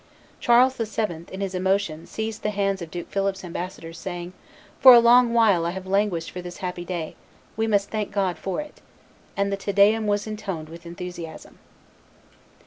Charles VII., in his emotion, seized the hands of Duke Philip's ambassadors, saying, "For a long while I have languished for this happy day; we must thank God for it." And the Te Deum was intoned with enthusiasm.